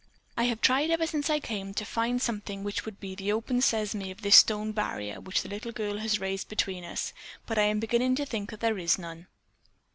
I have tried ever since I came to find something which would be the open sesame of this stone barrier which the little girl has raised between us, but I am beginning to think that there is none."